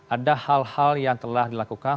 ada hal hal yang telah dilakukan